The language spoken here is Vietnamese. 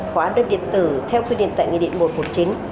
hóa đơn điện tử theo quy định tại nghị định một trăm một mươi chín